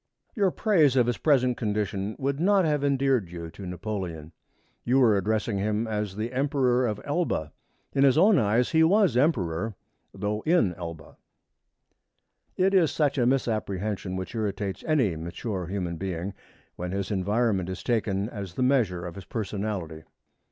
Your praise of his present condition would not have endeared you to Napoleon. You were addressing him as the Emperor of Elba. In his own eyes he was Emperor, though in Elba. It is such a misapprehension which irritates any mature human being when his environment is taken as the measure of his personality.